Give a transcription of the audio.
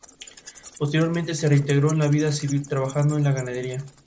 Deciden registrar en los escombros algún rastro ensangrentado, pero no encuentran nada.